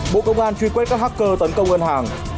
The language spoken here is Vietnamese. bộ công an truy quét các hacker tấn công ngân hàng